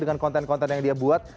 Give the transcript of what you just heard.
dengan konten konten yang dia buat